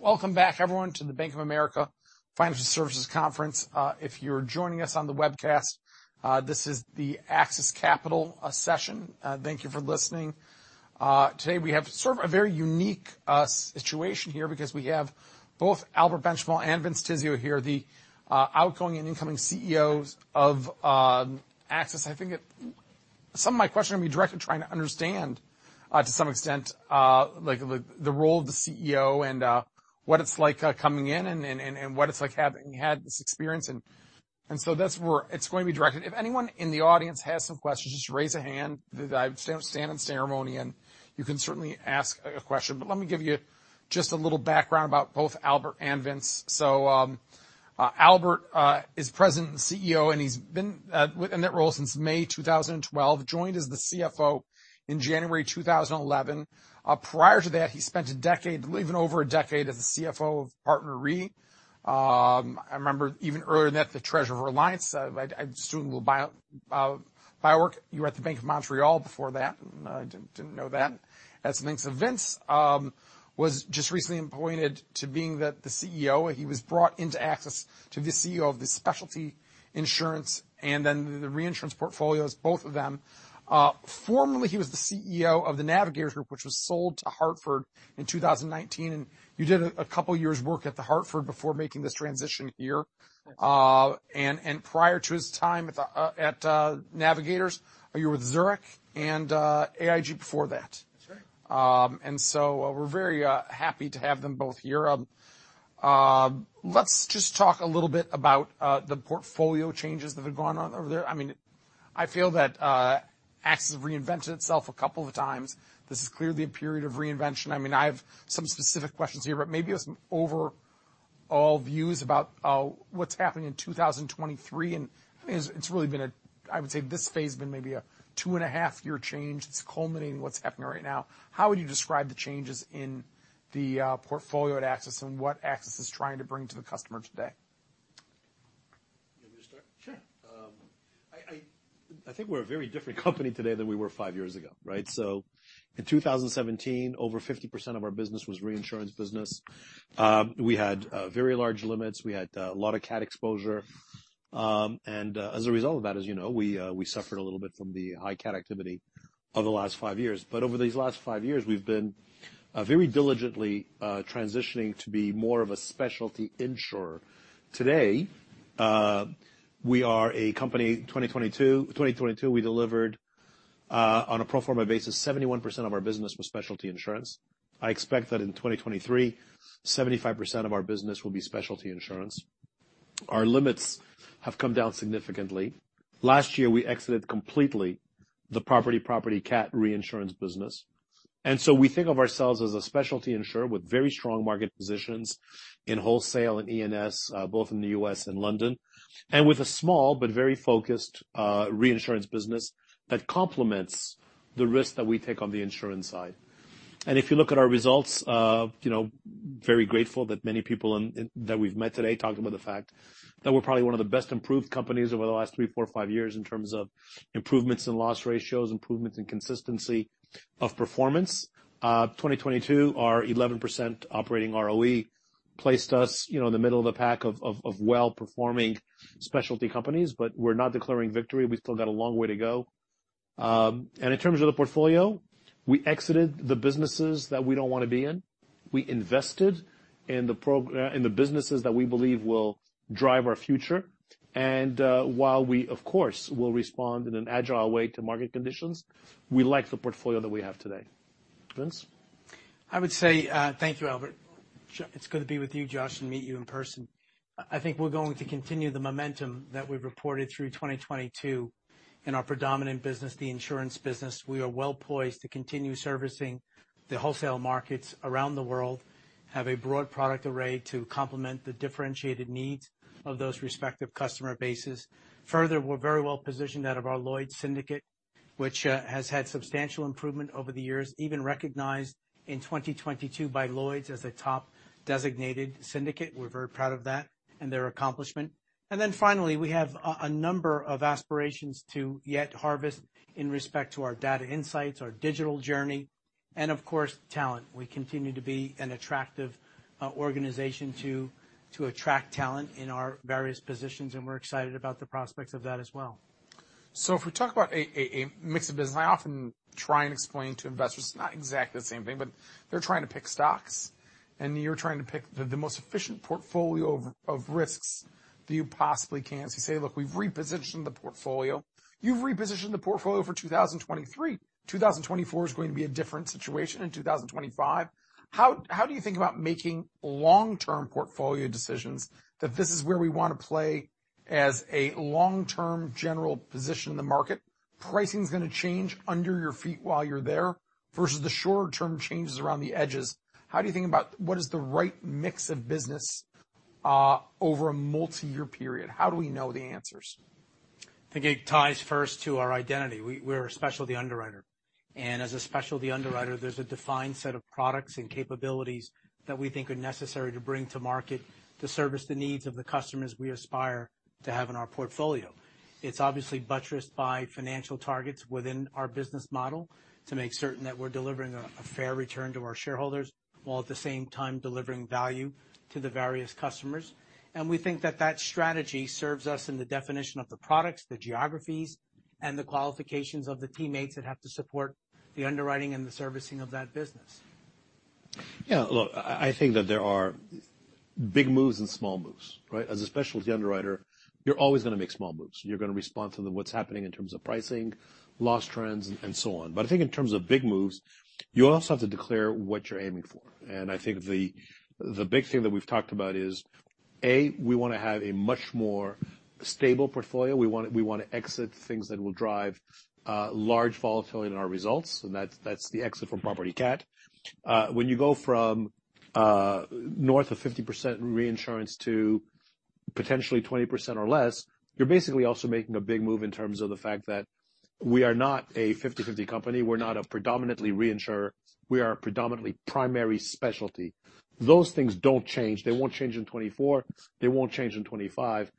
Welcome back, everyone, to the Bank of America Financial Services Conference. If you're joining us on the webcast, this is the AXIS Capital session. Thank you for listening. Today, we have sort of a very unique situation here because we have both Albert Benchimol and Vince Tizzio here, the outgoing and incoming CEOs of AXIS. I think some of my questions are going to be directed at trying to understand, to some extent, the role of the CEO and what it's like coming in and what it's like having had this experience. That's where it's going to be directed. If anyone in the audience has some questions, just raise a hand. I won't stand in ceremony, and you can certainly ask a question. Let me give you just a little background about both Albert and Vince. Albert is president and CEO, and he's been in that role since May 2012, joined as the CFO in January 2011. Prior to that, he spent a decade, even over a decade, as the CFO of PartnerRe. I remember even earlier than that, the treasurer of Reliance. I assume a little bio work. You were at the Bank of Montreal before that. I didn't know that. Next, Vince was just recently appointed to being the CEO. He was brought into AXIS to be CEO of the specialty insurance and then the reinsurance portfolios, both of them. Formerly, he was the CEO of the Navigators Group, which was sold to Hartford in 2019. You did a couple of years' work at the Hartford before making this transition here. That's right. Prior to his time at Navigators, you were with Zurich and AIG before that. That's right. We're very happy to have them both here. Let's just talk a little bit about the portfolio changes that have gone on over there. I feel that AXIS has reinvented itself a couple of times. This is clearly a period of reinvention. I have some specific questions here, but maybe some overall views about what's happening in 2023. It's really been a, I would say, this phase been maybe a two-and-a-half-year change that's culminating what's happening right now. How would you describe the changes in the portfolio at AXIS and what AXIS is trying to bring to the customer today? You want me to start? Sure. I think we're a very different company today than we were five years ago, right? In 2017, over 50% of our business was reinsurance business. We had very large limits. We had a lot of cat exposure. As a result of that, as you know, we suffered a little bit from the high cat activity over the last five years. Over these last five years, we've been very diligently transitioning to be more of a specialty insurer. Today, we are a company, 2022, we delivered on a pro forma basis, 71% of our business was specialty insurance. I expect that in 2023, 75% of our business will be specialty insurance. Our limits have come down significantly. Last year, we exited completely the property-property cat reinsurance business. We think of ourselves as a specialty insurer with very strong market positions in wholesale and E&S, both in the U.S. and London, and with a small but very focused reinsurance business that complements the risk that we take on the insurance side. If you look at our results, very grateful that many people that we've met today talked about the fact that we're probably one of the best improved companies over the last three, four, five years in terms of improvements in loss ratio, improvements in consistency of performance. 2022, our 11% operating ROE placed us in the middle of the pack of well-performing specialty companies. We're not declaring victory. We've still got a long way to go. In terms of the portfolio, we exited the businesses that we don't want to be in. We invested in the businesses that we believe will drive our future. While we, of course, will respond in an agile way to market conditions, we like the portfolio that we have today. Vince? I would say thank you, Albert. It's good to be with you, Josh, and meet you in person. I think we're going to continue the momentum that we've reported through 2022 in our predominant business, the insurance business. We are well-poised to continue servicing the wholesale markets around the world, have a broad product array to complement the differentiated needs of those respective customer bases. Further, we're very well-positioned out of our Lloyd's Syndicate, which has had substantial improvement over the years, even recognized in 2022 by Lloyd's as a top-designated syndicate. We're very proud of that and their accomplishment. Finally, we have a number of aspirations to yet harvest in respect to our data insights, our digital journey, and of course, talent. We continue to be an attractive organization to attract talent in our various positions, and we're excited about the prospects of that as well. If we talk about a mix of business, and I often try and explain to investors, it's not exactly the same thing, but they're trying to pick stocks, and you're trying to pick the most efficient portfolio of risks that you possibly can. You say, "Look, we've repositioned the portfolio." You've repositioned the portfolio for 2023. 2024 is going to be a different situation, and 2025. How do you think about making long-term portfolio decisions that this is where we want to play as a long-term general position in the market? Pricing is going to change under your feet while you're there versus the shorter-term changes around the edges. How do you think about what is the right mix of business over a multi-year period? How do we know the answers? I think it ties first to our identity. We're a specialty underwriter. As a specialty underwriter, there's a defined set of products and capabilities that we think are necessary to bring to market to service the needs of the customers we aspire to have in our portfolio. It's obviously buttressed by financial targets within our business model to make certain that we're delivering a fair return to our shareholders, while at the same time delivering value to the various customers. We think that strategy serves us in the definition of the products, the geographies, and the qualifications of the teammates that have to support the underwriting and the servicing of that business. Yeah, look, I think that there are big moves and small moves, right? As a specialty underwriter, you're always going to make small moves. You're going to respond to what's happening in terms of pricing, loss trends, and so on. I think in terms of big moves, you also have to declare what you're aiming for. I think the big thing that we've talked about is, A, we want to have a much more stable portfolio. We want to exit things that will drive large volatility in our results, and that's the exit from property cat. When you go from north of 50% reinsurance to potentially 20% or less, you're basically also making a big move in terms of the fact that we are not a 50/50 company. We're not a predominantly reinsurer. We are predominantly primary specialty. Those things don't change. They won't change in 2024. They won't change in 2025.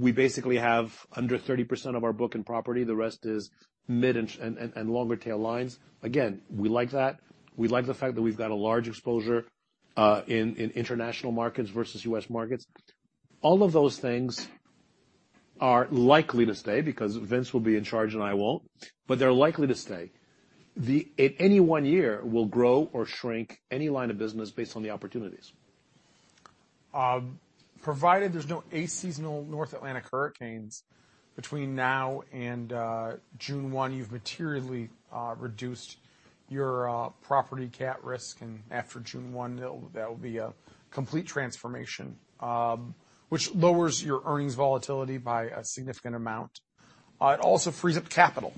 We basically have under 30% of our book in property. The rest is mid and longer tail lines. Again, we like that. We like the fact that we've got a large exposure in international markets versus U.S. markets. All of those things are likely to stay because Vince will be in charge and I won't, but they're likely to stay. In any one year, we'll grow or shrink any line of business based on the opportunities. Provided there's no ace seasonal North Atlantic hurricanes between now and June 1, you've materially reduced your property cat risk, and after June 1, that will be a complete transformation, which lowers your earnings volatility by a significant amount. It also frees up capital.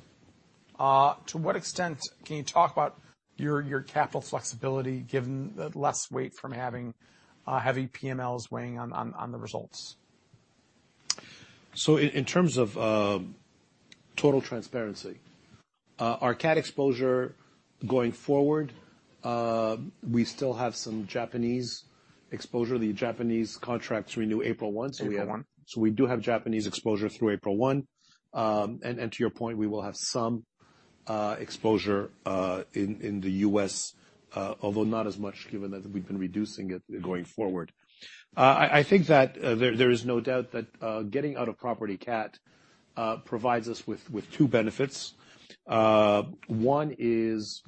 To what extent can you talk about your capital flexibility, given the less weight from having heavy PMLs weighing on the results? In terms of total transparency, our cat exposure going forward, we still have some Japanese exposure. The Japanese contracts renew April 1. April 1. We do have Japanese exposure through April 1. To your point, we will have some exposure in the U.S., although not as much given that we've been reducing it going forward. I think that there is no doubt that getting out of property cat provides us with two benefits. One is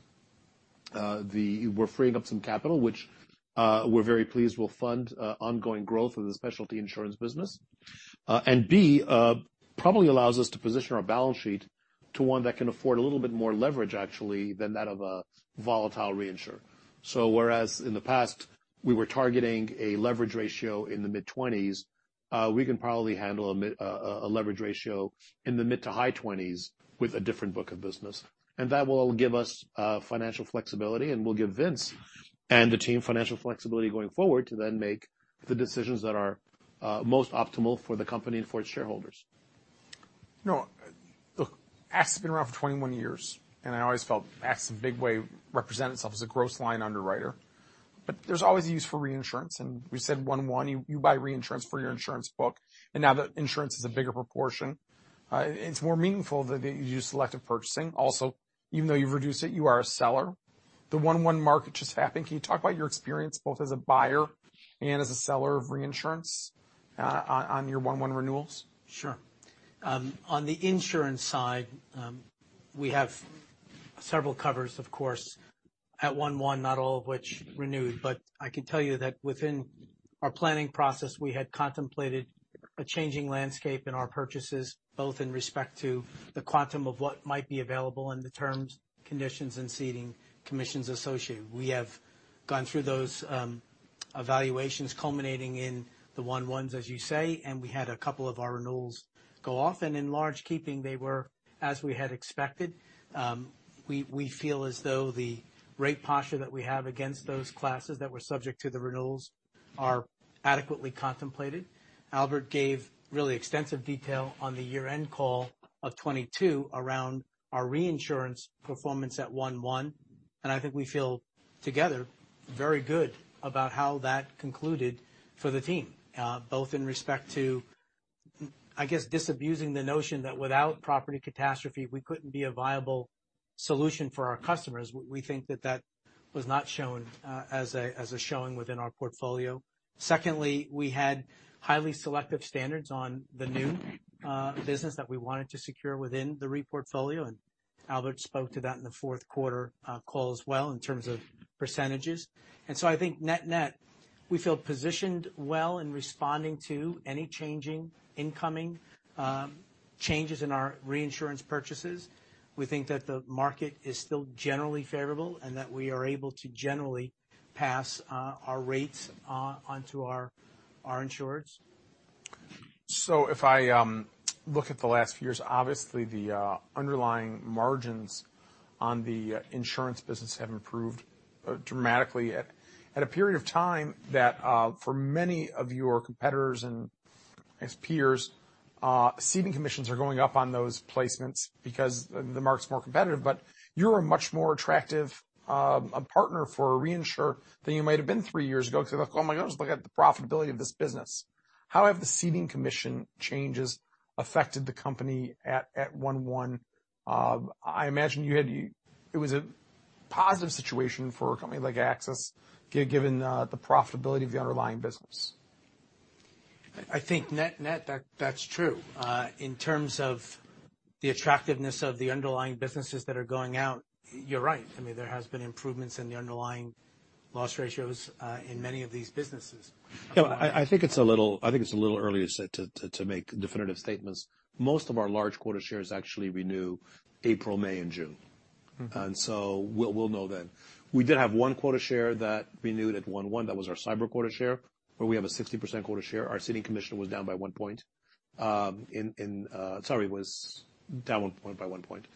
we're freeing up some capital, which we're very pleased will fund ongoing growth of the specialty insurance business. B, probably allows us to position our balance sheet to one that can afford a little bit more leverage, actually, than that of a volatile reinsurer. Whereas in the past, we were targeting a leverage ratio in the mid-20s, we can probably handle a leverage ratio in the mid to high-20s with a different book of business. That will give us financial flexibility and will give Vince and the team financial flexibility going forward to then make the decisions that are most optimal for the company and for its shareholders. AXIS has been around for 21 years, I always felt AXIS, in a big way, represented itself as a gross line underwriter. There's always a use for reinsurance, we said 1/1, you buy reinsurance for your insurance book. Now that insurance is a bigger proportion, it's more meaningful that you do selective purchasing. Also, even though you've reduced it, you are a seller. The 1/1 market just happened. Can you talk about your experience both as a buyer and as a seller of reinsurance on your 1/1 renewals? Sure. On the insurance side, we have several covers, of course, at 1/1, not all of which renewed. I can tell you that within our planning process, we had contemplated a changing landscape in our purchases, both in respect to the quantum of what might be available and the terms, conditions, and Ceding Commissions associated. We have gone through those evaluations culminating in the 1/1s, as you say, we had a couple of our renewals go off, in large keeping, they were as we had expected. We feel as though the rate posture that we have against those classes that were subject to the renewals are adequately contemplated. Albert gave really extensive detail on the year-end call of 2022 around our reinsurance performance at 1/1, I think we feel together very good about how that concluded for the team, both in respect to, I guess, disabusing the notion that without property catastrophe, we couldn't be a viable solution for our customers. We think that was not shown as a showing within our portfolio. Secondly, we had highly selective standards on the new business that we wanted to secure within the re portfolio, Albert spoke to that in the fourth quarter call as well in terms of percentages. I think net-net, we feel positioned well in responding to any changing incoming changes in our reinsurance purchases. We think that the market is still generally favorable and that we are able to generally pass our rates onto our insurers. If I look at the last few years, obviously the underlying margins on the insurance business have improved dramatically at a period of time that for many of your competitors and AXIS peers, Ceding Commissions are going up on those placements because the market's more competitive, you're a much more attractive partner for a reinsurer than you might've been three years ago because they're like, "Oh my gosh, look at the profitability of this business." How have the Ceding Commission changes affected the company at 1/1? I imagine it was a positive situation for a company like AXIS, given the profitability of the underlying business. I think net, that's true. In terms of the attractiveness of the underlying businesses that are going out, you're right. There have been improvements in the underlying loss ratio in many of these businesses. I think it's a little early to make definitive statements. Most of our large Quota Shares actually renew April, May, and June. We'll know then. We did have one Quota Share that renewed at 1/1. That was our Cyber Quota Share, where we have a 60% Quota Share. Our Ceding Commission was down by one point. Sorry, it was down by one point.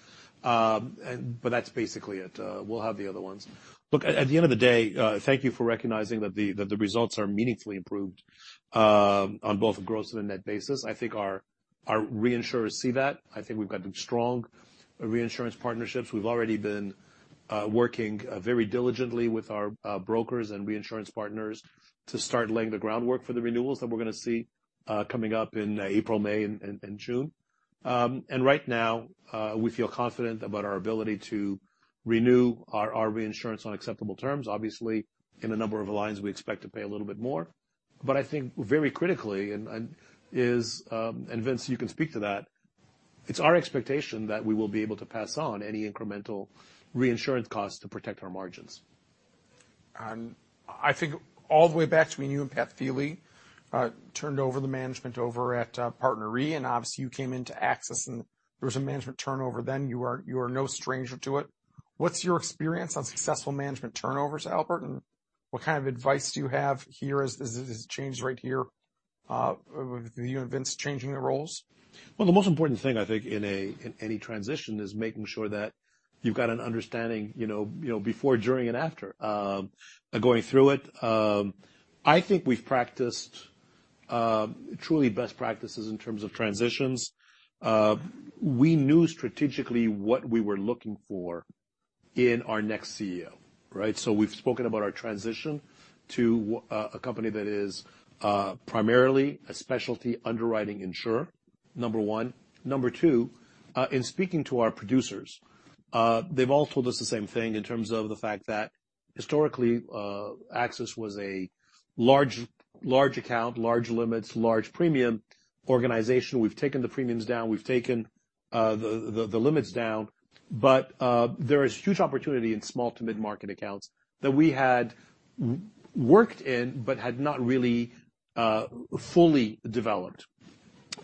That's basically it. We'll have the other ones. Look, at the end of the day, thank you for recognizing that the results are meaningfully improved on both a gross and a net basis. I think our reinsurers see that. I think we've got strong reinsurance partnerships. We've already been working very diligently with our brokers and reinsurance partners to start laying the groundwork for the renewals that we're going to see coming up in April, May, and June. Right now, we feel confident about our ability to renew our reinsurance on acceptable terms. Obviously, in a number of lines, we expect to pay a little bit more. I think very critically, and Vince, you can speak to that, it's our expectation that we will be able to pass on any incremental reinsurance costs to protect our margins. I think all the way back to when you and Pat Thiele turned over the management over at PartnerRe, obviously you came into AXIS and there was a management turnover then. You are no stranger to it. What's your experience on successful management turnovers, Albert? What kind of advice do you have here as this change right here with you and Vince changing the roles? Well, the most important thing, I think, in any transition is making sure that you've got an understanding before, during, and after going through it. I think we've practiced truly best practices in terms of transitions. We knew strategically what we were looking for in our next CEO, right? We've spoken about our transition to a company that is primarily a specialty underwriting insurer, number one. Number two, in speaking to our producers, they've all told us the same thing in terms of the fact that historically, AXIS was a large account, large limits, large premium organization. We've taken the premiums down. We've taken the limits down. There is huge opportunity in small to mid-market accounts that we had worked in but had not really fully developed.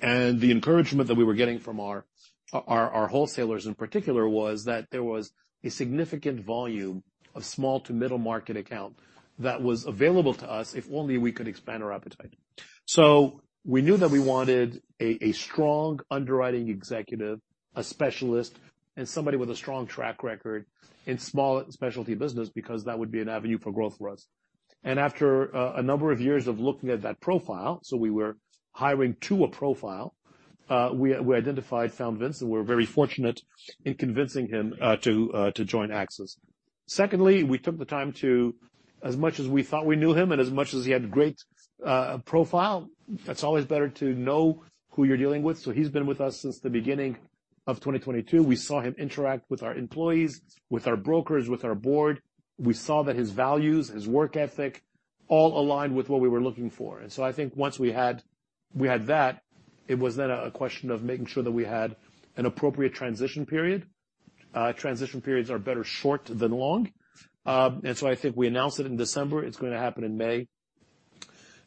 The encouragement that we were getting from our wholesalers in particular was that there was a significant volume of small to middle market account that was available to us if only we could expand our appetite. We knew that we wanted a strong underwriting executive, a specialist, and somebody with a strong track record in small specialty business because that would be an avenue for growth for us. After a number of years of looking at that profile, we were hiring to a profile, we identified, found Vince, and we were very fortunate in convincing him to join AXIS. Secondly, we took the time to, as much as we thought we knew him and as much as he had a great profile, it's always better to know who you're dealing with. He's been with us since the beginning of 2022. We saw him interact with our employees, with our brokers, with our board. We saw that his values, his work ethic, all aligned with what we were looking for. I think once we had that, it was then a question of making sure that we had an appropriate transition period. Transition periods are better short than long. I think we announced it in December. It's going to happen in May.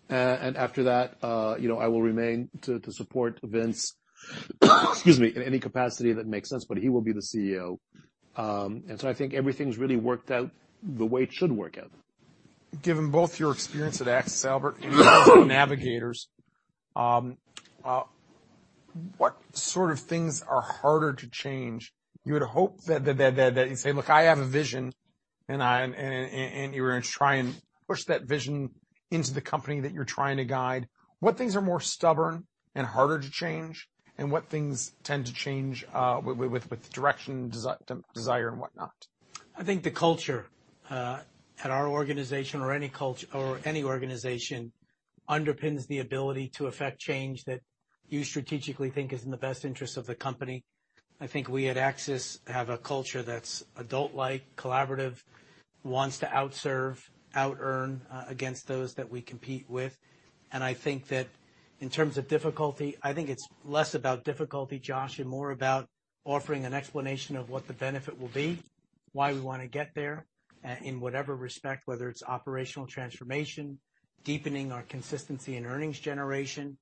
After that I will remain to support Vince, excuse me, in any capacity that makes sense, but he will be the CEO. I think everything's really worked out the way it should work out. Given both your experience at AXIS, Albert, and yours with Navigators, what sort of things are harder to change? You would hope that you'd say, "Look, I have a vision," and you were going to try and push that vision into the company that you're trying to guide. What things are more stubborn and harder to change, and what things tend to change with direction, desire, and whatnot? I think the culture at our organization or any organization underpins the ability to affect change that you strategically think is in the best interest of the company. I think we at AXIS have a culture that's adult-like, collaborative, wants to out-serve, out-earn against those that we compete with. I think that in terms of difficulty, I think it's less about difficulty, Josh, and more about offering an explanation of what the benefit will be, why we want to get there, in whatever respect, whether it's operational transformation, deepening our consistency in earnings generation,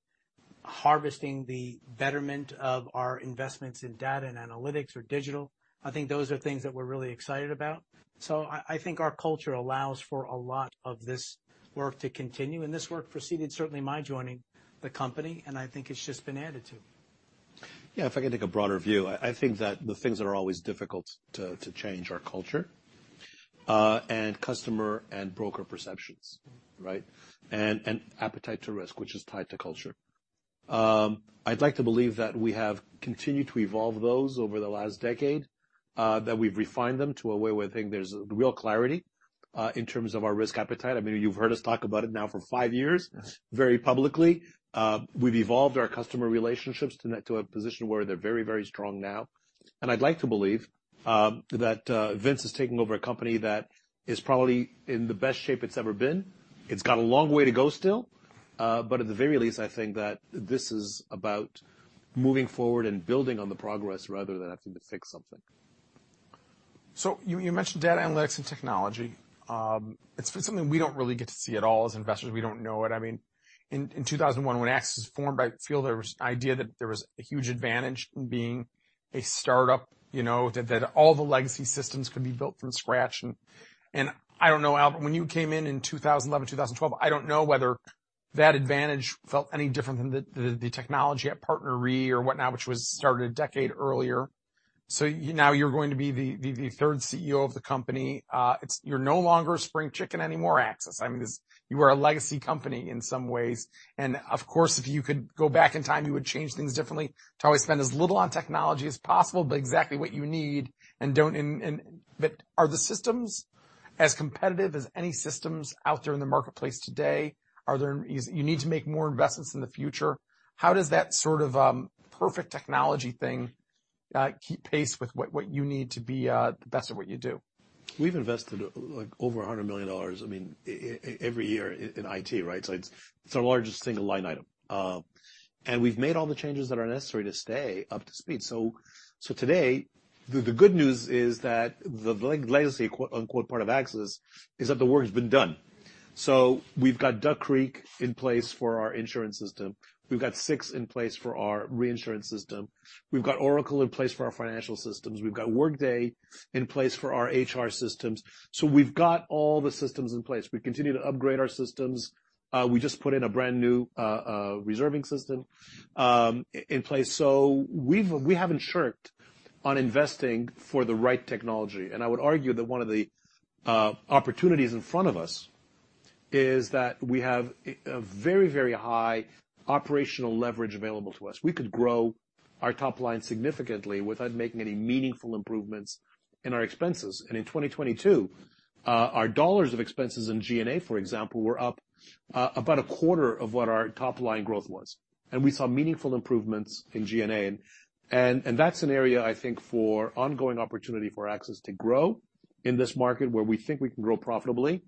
harvesting the betterment of our investments in data and analytics or digital. I think those are things that we're really excited about. I think our culture allows for a lot of this work to continue, and this work preceded certainly my joining the company, and I think it's just been added to. If I can take a broader view, I think that the things that are always difficult to change are culture and customer and broker perceptions, right? Appetite to risk, which is tied to culture. I'd like to believe that we have continued to evolve those over the last decade, that we've refined them to where we think there's real clarity in terms of our risk appetite. You've heard us talk about it now for five years, very publicly. We've evolved our customer relationships to a position where they're very strong now. I'd like to believe that Vince is taking over a company that is probably in the best shape it's ever been. It's got a long way to go still. At the very least, I think that this is about moving forward and building on the progress rather than having to fix something. You mentioned data analytics and technology. It's something we don't really get to see at all as investors. We don't know it. In 2001, when AXIS was formed, I feel there was an idea that there was a huge advantage in being a startup, that all the legacy systems could be built from scratch. I don't know, Albert, when you came in in 2011, 2012, I don't know whether that advantage felt any different than the technology at PartnerRe or whatnot, which was started a decade earlier. Now you're going to be the third CEO of the company. You're no longer a spring chicken anymore, AXIS. You are a legacy company in some ways. Of course, if you could go back in time, you would change things differently to always spend as little on technology as possible, but exactly what you need. Are the systems as competitive as any systems out there in the marketplace today? You need to make more investments in the future. How does that sort of perfect technology thing keep pace with what you need to be the best at what you do? We've invested over $100 million every year in IT, right? It's our largest single line item. We've made all the changes that are necessary to stay up to speed. Today, the good news is that the "legacy" part of AXIS is that the work has been done. We've got Duck Creek in place for our insurance system. We've got SICS in place for our reinsurance system. We've got Oracle in place for our financial systems. We've got Workday in place for our HR systems. We've got all the systems in place. We continue to upgrade our systems. We just put in a brand new reserving system in place. We haven't shirked on investing for the right technology. I would argue that one of the opportunities in front of us is that we have a very high operational leverage available to us. We could grow our top line significantly without making any meaningful improvements in our expenses. In 2022, our dollars of expenses in G&A, for example, were up about a quarter of what our top-line growth was. We saw meaningful improvements in G&A. That's an area, I think, for ongoing opportunity for AXIS to grow in this market where we think we can grow profitably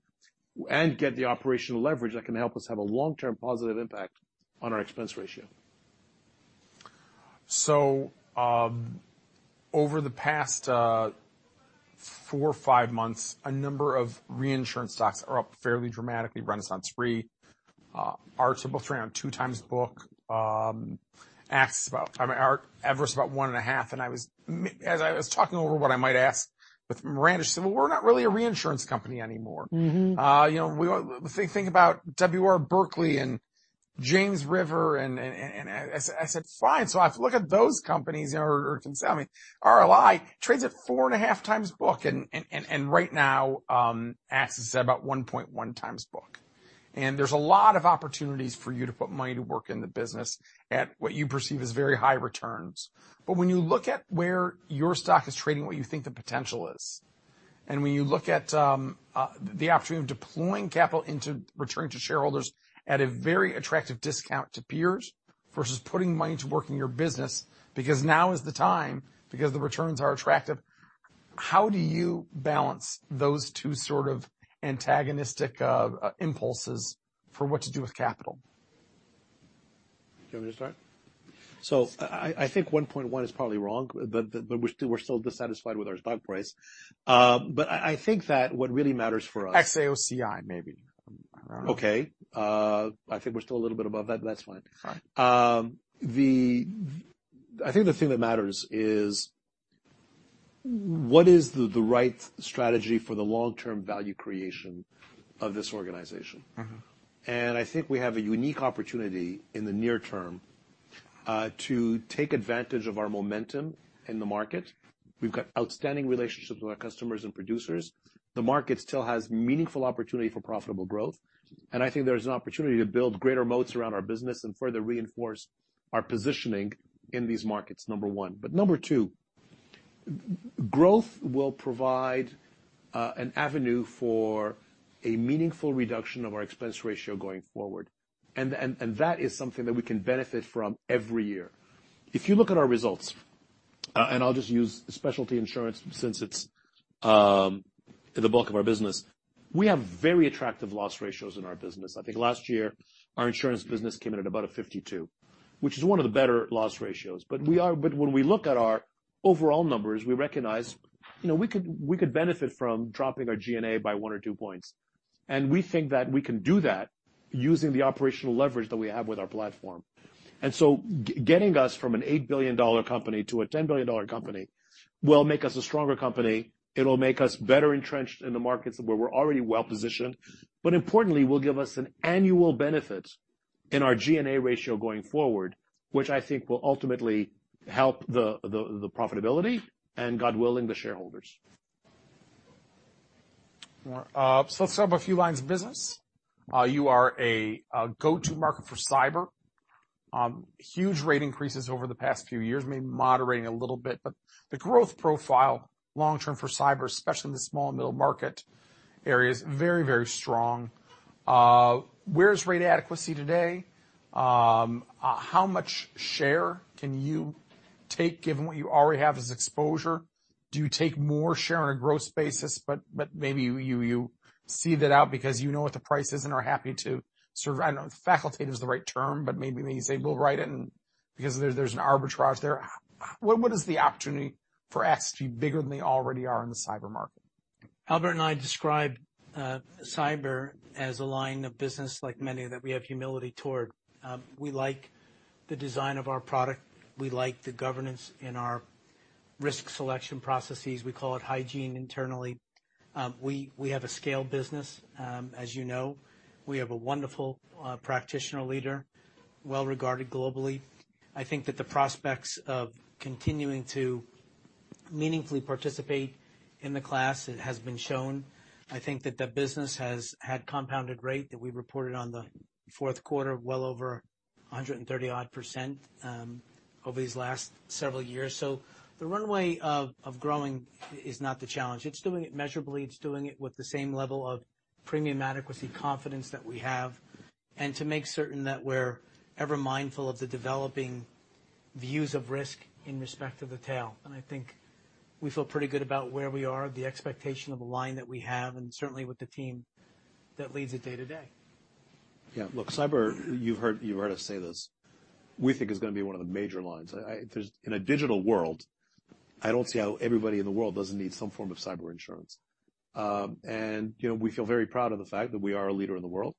and get the operational leverage that can help us have a long-term positive impact on our expense ratio. Over the past four or five months, a number of reinsurance stocks are up fairly dramatically. Renaissance three, Arch is about three on two times book. Everest about one and a half. As I was talking over what I might ask with Miranda, she said, "Well, we're not really a reinsurance company anymore. I said, "Fine." I have to look at those companies or consult. RLI trades at four and a half times book, and right now, AXIS is at about 1.1 times book. There's a lot of opportunities for you to put money to work in the business at what you perceive as very high returns. When you look at where your stock is trading, what you think the potential is, and when you look at the opportunity of deploying capital into returning to shareholders at a very attractive discount to peers versus putting money to work in your business, because now is the time, because the returns are attractive, how do you balance those two sort of antagonistic impulses for what to do with capital? Do you want me to start? I think 1.1 is probably wrong, but we're still dissatisfied with our stock price. I think that what really matters for us- Ex AOCI, maybe. I don't know. Okay. I think we're still a little bit above that, but that's fine. Fine. I think the thing that matters is what is the right strategy for the long-term value creation of this organization. I think we have a unique opportunity in the near term to take advantage of our momentum in the market. We've got outstanding relationships with our customers and producers. The market still has meaningful opportunity for profitable growth, and I think there's an opportunity to build greater moats around our business and further reinforce our positioning in these markets, number one. Number two, growth will provide an avenue for a meaningful reduction of our expense ratio going forward. That is something that we can benefit from every year. If you look at our results, and I'll just use specialty insurance since it's the bulk of our business, we have very attractive loss ratio in our business. I think last year, our insurance business came in at about a 52%, which is one of the better loss ratio. When we look at our overall numbers, we recognize we could benefit from dropping our G&A by one or two points. We think that we can do that using the operational leverage that we have with our platform. Getting us from an $8 billion company to a $10 billion company will make us a stronger company. It'll make us better entrenched in the markets where we're already well-positioned, importantly, will give us an annual benefit in our G&A ratio going forward, which I think will ultimately help the profitability and, God willing, the shareholders. Let's talk about a few lines of business. You are a go-to market for cyber. Huge rate increases over the past few years, maybe moderating a little bit, the growth profile long-term for cyber, especially in the small and middle market area, is very, very strong. Where's rate adequacy today? How much share can you take given what you already have as exposure? Do you take more share on a growth basis, maybe you cede it out because you know what the price is and are happy to serve, I don't know if facultative is the right term, maybe when you say, we'll write it and because there's an arbitrage there. What is the opportunity for AXIS to be bigger than they already are in the cyber market? Albert and I describe cyber as a line of business like many that we have humility toward. We like the design of our product. We like the governance in our risk selection processes. We call it hygiene internally. We have a scaled business, as you know. We have a wonderful practitioner leader, well regarded globally. I think that the prospects of continuing to meaningfully participate in the class, it has been shown. I think that the business has had compounded rate that we reported on the fourth quarter, well over 130-odd%, over these last several years. The runway of growing is not the challenge. It's doing it measurably. It's doing it with the same level of premium adequacy, confidence that we have, and to make certain that we're ever mindful of the developing views of risk in respect of the tail. I think we feel pretty good about where we are, the expectation of a line that we have, and certainly with the team that leads it day to day. Look, cyber, you've heard us say this, we think is going to be one of the major lines. In a digital world, I don't see how everybody in the world doesn't need some form of Cyber Insurance. We feel very proud of the fact that we are a leader in the world.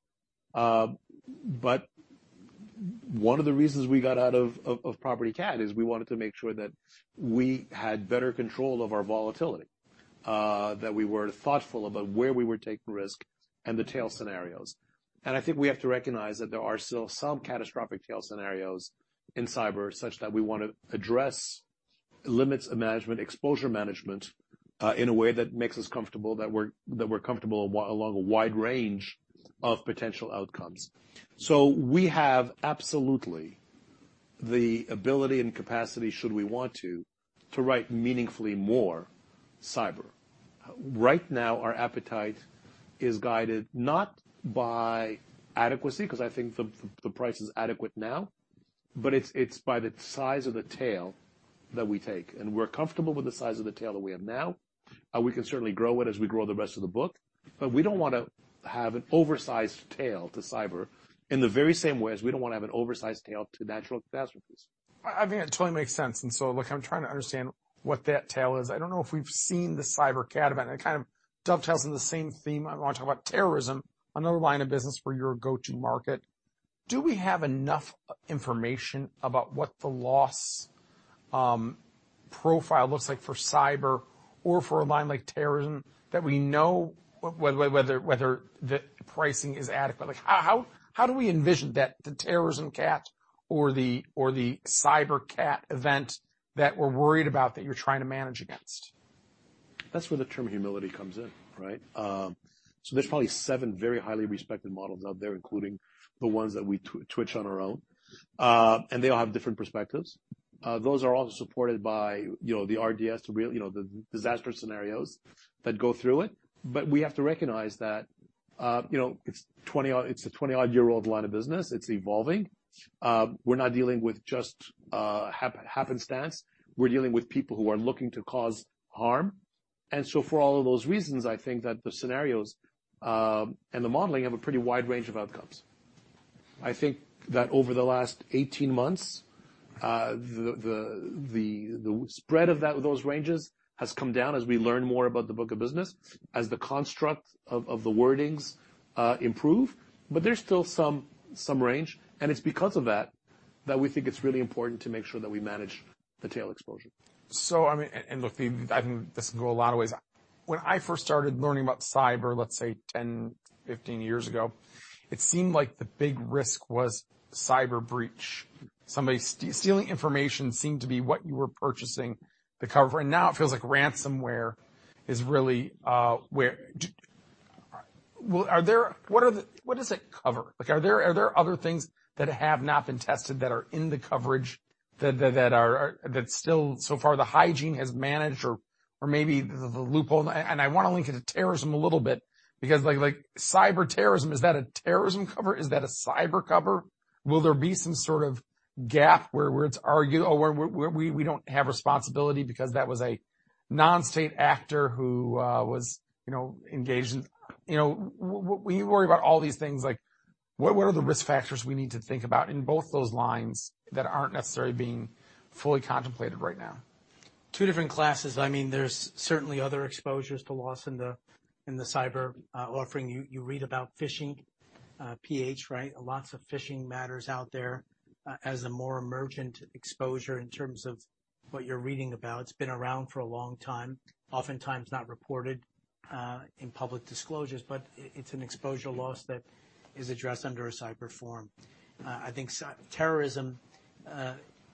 One of the reasons we got out of property cat is we wanted to make sure that we had better control of our volatility, that we were thoughtful about where we were taking risk and the tail scenarios. I think we have to recognize that there are still some catastrophic tail scenarios in cyber, such that we want to address limits of management, exposure management, in a way that makes us comfortable, that we're comfortable along a wide range of potential outcomes. We have absolutely the ability and capacity, should we want to write meaningfully more cyber. Right now, our appetite is guided not by adequacy, because I think the price is adequate now, but it's by the size of the tail that we take. We're comfortable with the size of the tail that we have now. We can certainly grow it as we grow the rest of the book, we don't want to have an oversized tail to cyber in the very same way as we don't want to have an oversized tail to natural catastrophes. I think it totally makes sense. Look, I'm trying to understand what that tail is. I don't know if we've seen the Cyber cat event. It kind of dovetails in the same theme. I want to talk about terrorism, another line of business where you're a go-to market. Do we have enough information about what the loss profile looks like for Cyber or for a line like terrorism that we know whether the pricing is adequate? Like, how do we envision that the terrorism cat or the Cyber cat event that we're worried about that you're trying to manage against? That's where the term humility comes in, right? There's probably 7 very highly respected models out there, including the ones that we tweak on our own. They all have different perspectives. Those are all supported by the RDS, the disaster scenarios that go through it. We have to recognize that it's a 20-odd-year-old line of business. It's evolving. We're not dealing with just happenstance. We're dealing with people who are looking to cause harm. For all of those reasons, I think that the scenarios, and the modeling have a pretty wide range of outcomes. I think that over the last 18 months, the spread of those ranges has come down as we learn more about the book of business, as the construct of the wordings improve. There's still some range, and it's because of that that we think it's really important to make sure that we manage the tail exposure. Look, I think this can go a lot of ways. When I first started learning about Cyber, let's say 10, 15 years ago, it seemed like the big risk was cyber breach. Somebody stealing information seemed to be what you were purchasing the cover. Now it feels like ransomware is. What does it cover? Are there other things that have not been tested that are in the coverage that still so far the hygiene has managed or maybe the loophole? I want to link it to terrorism a little bit because Cyber terrorism, is that a terrorism cover? Is that a Cyber cover? Will there be some sort of gap where it's argued, "Oh, we don't have responsibility because that was a non-state actor who was engaged in" You worry about all these things, like what are the risk factors we need to think about in both those lines that aren't necessarily being fully contemplated right now? Two different classes. There's certainly other exposures to loss in the cyber offering. You read about phishing PH, right? Lots of phishing matters out there as a more emergent exposure in terms of what you're reading about. It's been around for a long time, oftentimes not reported, in public disclosures, but it's an exposure loss that is addressed under a cyber form. I think terrorism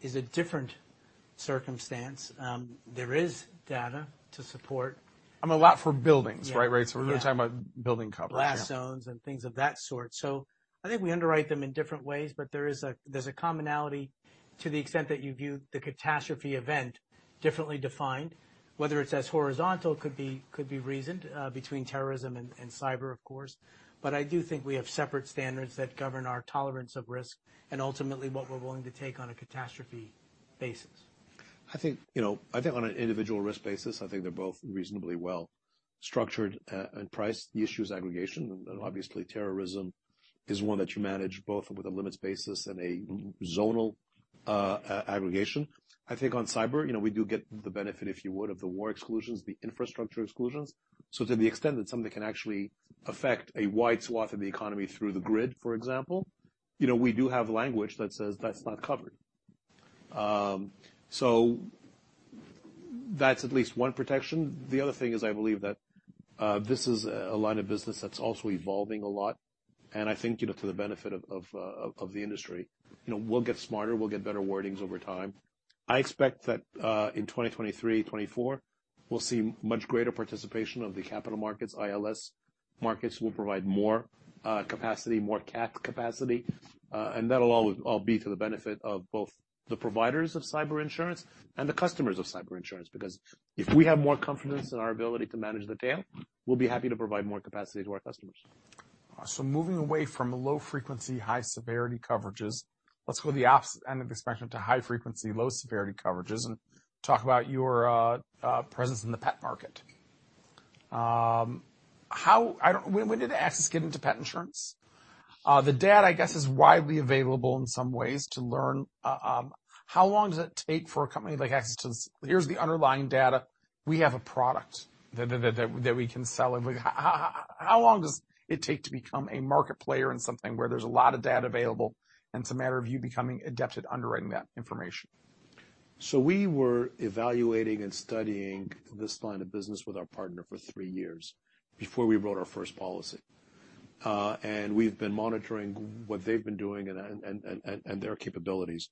is a different circumstance. There is data to support. A lot for buildings, right? Yeah. We're really talking about building coverage. Blast zones and things of that sort. I think we underwrite them in different ways, but there's a commonality to the extent that you view the catastrophe event differently defined, whether it's as horizontal could be reasoned between terrorism and cyber, of course. I do think we have separate standards that govern our tolerance of risk and ultimately what we're willing to take on a catastrophe basis. I think on an individual risk basis, they're both reasonably well structured and priced. The issue is aggregation. Obviously, terrorism is one that you manage both with a limits basis and a zonal aggregation. I think on cyber, we do get the benefit, if you would, of the war exclusions, the infrastructure exclusions. To the extent that something can actually affect a wide swath of the economy through the grid, for example, we do have language that says that's not covered. That's at least one protection. The other thing is I believe that this is a line of business that's also evolving a lot, and I think to the benefit of the industry. We'll get smarter, we'll get better wordings over time. I expect that, in 2023, 2024, we'll see much greater participation of the capital markets. ILS markets will provide more capacity, more cat capacity. That'll all be to the benefit of both the providers of cyber insurance and the customers of cyber insurance. Because if we have more confidence in our ability to manage the tail, we'll be happy to provide more capacity to our customers. Moving away from low frequency, high severity coverages, let's go to the opposite end of the spectrum to high frequency, low severity coverages and talk about your presence in the pet market. When did AXIS get into pet insurance? The data, I guess, is widely available in some ways to learn. How long does it take for a company like AXIS to say, "Here's the underlying data. We have a product that we can sell." How long does it take to become a market player in something where there's a lot of data available, and it's a matter of you becoming adept at underwriting that information? We were evaluating and studying this line of business with our partner for 3 years before we wrote our first policy. We've been monitoring what they've been doing and their capabilities.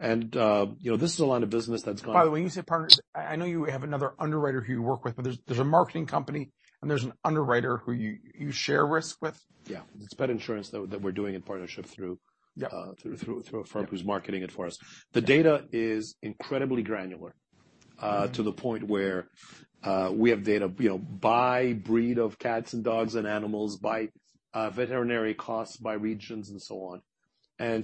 This is a line of business that's gone- By the way, when you say partners, I know you have another underwriter who you work with, but there's a marketing company and there's an underwriter who you share risk with? Yeah. It's pet insurance that we're doing in partnership through- Yeah A firm who's marketing it for us. The data is incredibly granular, to the point where we have data by breed of cats and dogs and animals, by veterinary costs, by regions, and so on.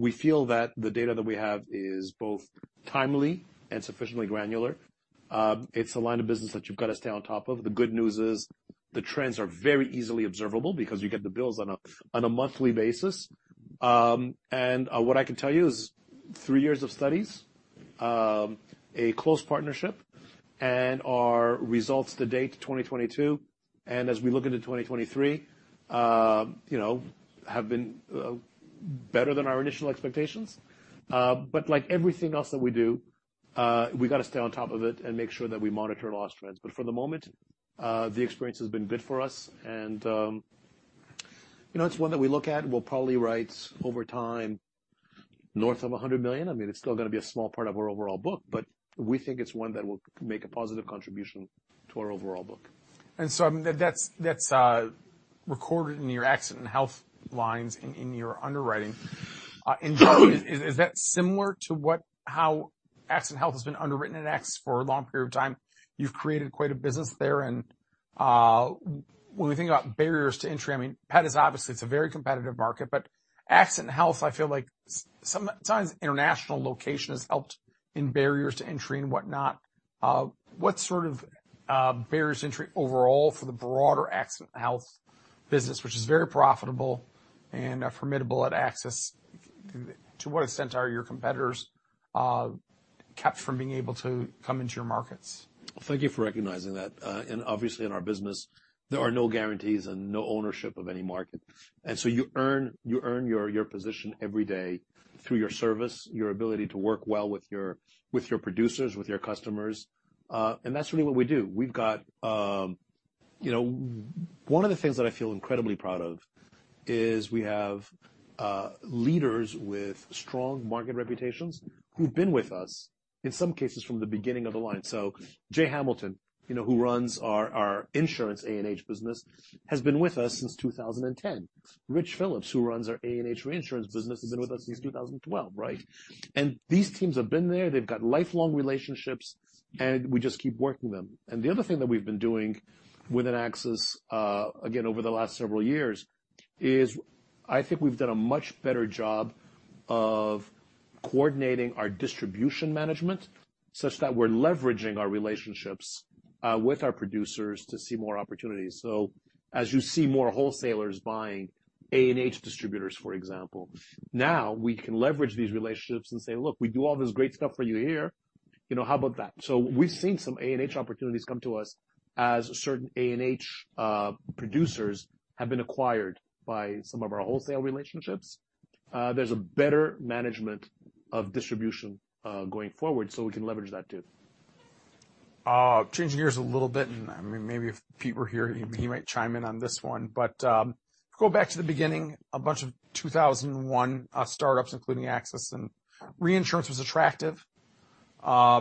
We feel that the data that we have is both timely and sufficiently granular. It's a line of business that you've got to stay on top of. The good news is the trends are very easily observable because you get the bills on a monthly basis. What I can tell you is 3 years of studies, a close partnership, and our results to date, 2022, and as we look into 2023, have been better than our initial expectations. Like everything else that we do, we got to stay on top of it and make sure that we monitor loss trends. For the moment, the experience has been good for us and it's one that we look at and we'll probably write over time north of $100 million. I mean, it's still going to be a small part of our overall book, but we think it's one that will make a positive contribution to our overall book. That's recorded in your accident and health lines and in your underwriting. Is that similar to how accident and health has been underwritten at AXIS for a long period of time? You've created quite a business there and when we think about barriers to entry, pet is obviously a very competitive market, but accident and health, I feel like sometimes international location has helped in barriers to entry and whatnot. What sort of barriers to entry overall for the broader accident and health business, which is very profitable and formidable at AXIS. To what extent are your competitors kept from being able to come into your markets? Thank you for recognizing that. Obviously in our business, there are no guarantees and no ownership of any market. You earn your position every day through your service, your ability to work well with your producers, with your customers. That's really what we do. One of the things that I feel incredibly proud of is we have leaders with strong market reputations who've been with us, in some cases, from the beginning of the line. Jay Hamilton who runs our insurance A&H business, has been with us since 2010. Rich Phillips, who runs our A&H reinsurance business, has been with us since 2012, right? These teams have been there, they've got lifelong relationships, and we just keep working them. The other thing that we've been doing within AXIS, again, over the last several years, is I think we've done a much better job of coordinating our distribution management such that we're leveraging our relationships with our producers to see more opportunities. As you see more wholesalers buying A&H distributors, for example, now we can leverage these relationships and say, "Look, we do all this great stuff for you here." How about that? We've seen some A&H opportunities come to us as certain A&H producers have been acquired by some of our wholesale relationships. There's a better management of distribution going forward, so we can leverage that too. Changing gears a little bit, maybe if Pete were here, he might chime in on this one, go back to the beginning a bunch of 2001 startups, including AXIS, and reinsurance was attractive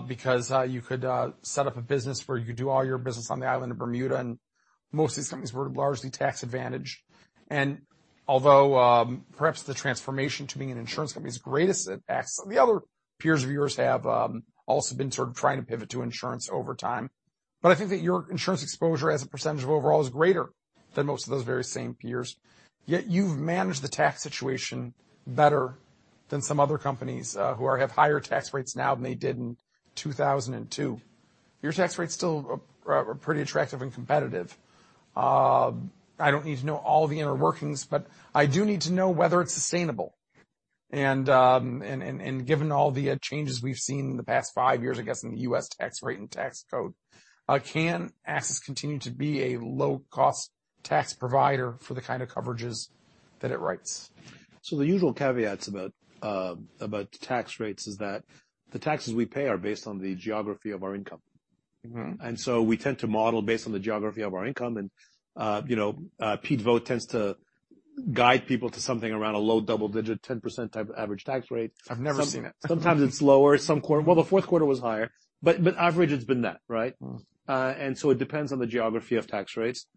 because you could set up a business where you could do all your business on the island of Bermuda, and most of these companies were largely tax advantaged. Although perhaps the transformation to being an insurance company is great at AXIS, the other peers of yours have also been sort of trying to pivot to insurance over time. I think that your insurance exposure as a percentage of overall is greater than most of those very same peers, yet you've managed the tax situation better than some other companies who have higher tax rates now than they did in 2002. Your tax rates still are pretty attractive and competitive. I don't need to know all the inner workings, I do need to know whether it's sustainable. Given all the changes we've seen in the past five years, I guess, in the U.S. tax rate and tax code, can AXIS continue to be a low-cost tax provider for the kind of coverages that it writes? The usual caveats about tax rates is that the taxes we pay are based on the geography of our income. We tend to model based on the geography of our income, and Pete Vogt tends to guide people to something around a low double digit, 10% type average tax rate. I've never seen it. Sometimes it's lower. The fourth quarter was higher, but average, it's been that, right? It depends on the geography of tax rates.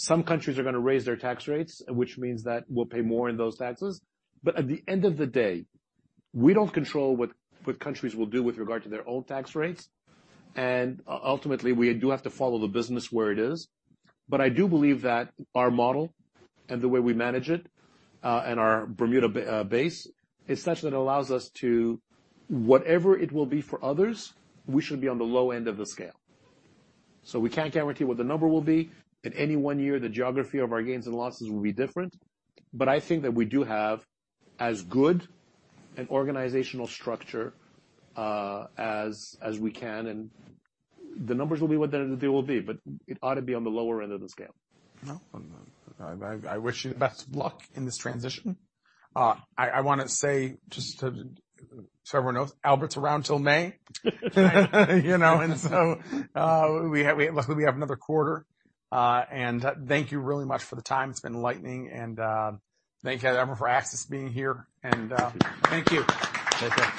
Some countries are going to raise their tax rates, which means that we'll pay more in those taxes. At the end of the day, we don't control what countries will do with regard to their own tax rates, and ultimately, we do have to follow the business where it is. I do believe that our model and the way we manage it, and our Bermuda base is such that it allows us to, whatever it will be for others, we should be on the low end of the scale. We can't guarantee what the number will be. In any one year, the geography of our gains and losses will be different. I think that we do have as good an organizational structure as we can, and the numbers will be what they will be, but it ought to be on the lower end of the scale. No. I wish you the best of luck in this transition. I want to say, just so everyone knows, Albert's around till May. Luckily we have another quarter. Thank you really much for the time. It's been enlightening, and thank you for AXIS being here. Thank you. Thank you.